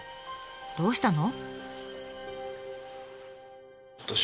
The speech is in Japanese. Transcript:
どうしたの？